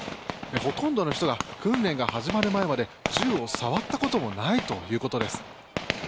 ほとんどの人が訓練が始まる前まで銃を触ったこともないということです。